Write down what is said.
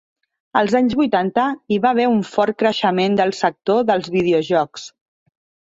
Als anys vuitanta hi va haver un fort creixement del sector dels videojocs.